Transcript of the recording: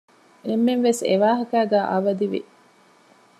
އެންމެންވެސް އެވާހަކައިގައި އަވަދިވި